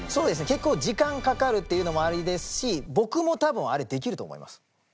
結構時間かかるっていうのもあれですし僕も多分あれできると思います。